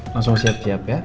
langsung siap siap ya